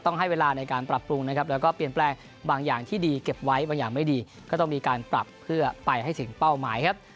ให้เวลาในการปรับปรุงนะครับแล้วก็เปลี่ยนแปลงบางอย่างที่ดีเก็บไว้บางอย่างไม่ดีก็ต้องมีการปรับเพื่อไปให้ถึงเป้าหมายครับ